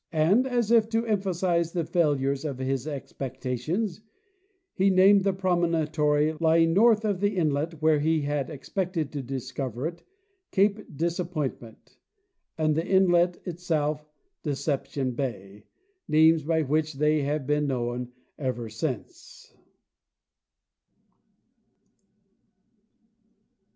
And, as if to emphasize the failure of his expectations, he named the promontory lying north of the inlet where he had expected to discover it " cape Disappointment," and the inlet itself " Deception bay," names by which they have been known ever since.